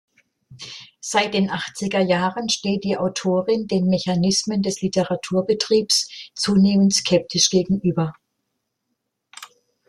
Seit den Achtzigerjahren steht die Autorin den Mechanismen des Literaturbetriebs zunehmend skeptisch gegenüber.